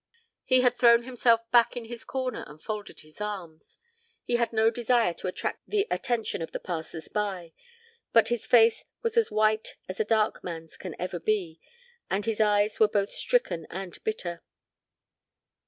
He had thrown himself back in his corner and folded his arms; he had no desire to attract the attention of the passers by. But his face was as white as a dark man's can be and his eyes were both stricken and bitter.